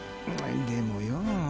でもよぉ。